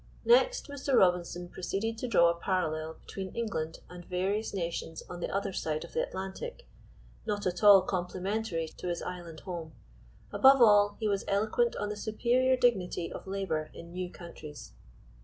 Next Mr. Robinson proceeded to draw a parallel between England and various nations on the other side of the Atlantic, not at all complimentary to his island home; above all, he was eloquent on the superior dignity of labor in new countries.